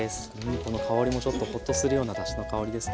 この香りもちょっとほっとするようなだしの香りですね。